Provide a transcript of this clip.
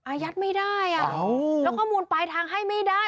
อะยัทธุ์ไม่ได้แล้วข้อมูลไปทางให้ไม่ได้